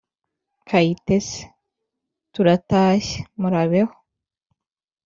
kayitesi: turatashye, murabeho!